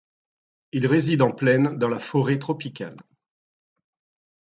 Il réside en plaine dans la forêt tropicale.